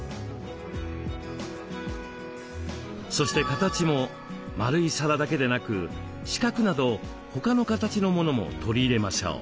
そして形も丸い皿だけでなく四角など他の形のものも取り入れましょう。